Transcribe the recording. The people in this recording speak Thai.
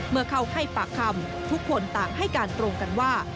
เมื่อเข้าให้ปากคำทุกคนต่างให้การตรงกันว่า